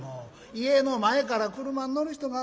家の前から俥に乗る人があるか。